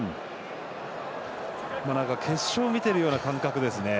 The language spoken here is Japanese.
決勝を見ているような感覚ですね。